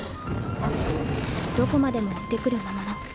どこまでも追ってくる魔物。